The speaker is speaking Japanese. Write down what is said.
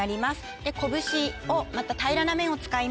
で拳をまた平らな面を使います。